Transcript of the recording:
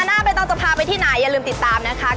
นึกถึงตอนเรียนหนังสือตอนเด็ก